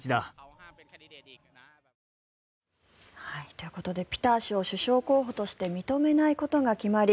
ということでピター氏を首相候補として認めないことが決まり